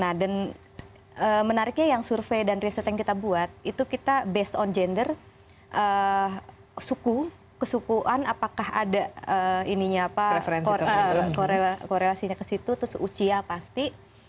nah dan menariknya yang survei dan riset yang kita buat itu kita based on gender suku kesukuan apakah ada korelasinya ke situ terus usia pasti